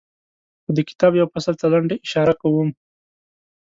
خو د کتاب یوه فصل ته لنډه اشاره کوم.